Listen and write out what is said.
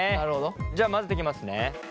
じゃあ混ぜていきますね。